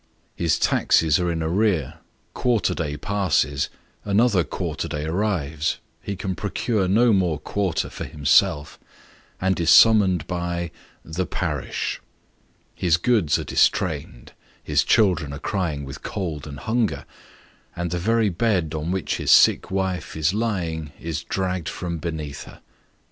His taxes are in arrear, quarter day passes by, another quarter day arrives : ho can procure no more quarter for himself, and is summoned by the parish. His goods are distrained, his children are crying with cold and hunger, and the very bed on which his sick wife is lying, is dragged from beneath her.